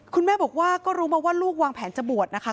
คุณแม่บอกว่าก็รู้มาว่าลูกวางแผนจะบวชนะคะ